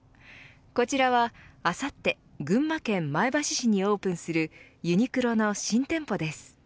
こちらは、あさって群馬県前橋市にオープンするユニクロの新店舗です。